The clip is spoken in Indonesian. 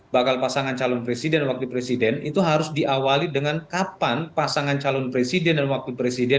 bakal pasangan calon presiden dan wakil presiden itu harus diawali dengan kapan pasangan calon presiden dan wakil presiden